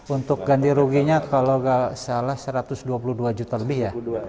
untuk ganti ruginya kalau nggak salah satu ratus dua puluh dua juta lebih ya